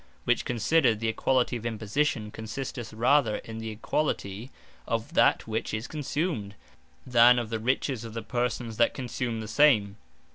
Which considered, the Equality of Imposition, consisteth rather in the Equality of that which is consumed, than of the riches of the persons that consume the same.